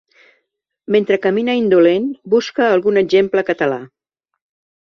Mentre camina indolent busca algun exemple català.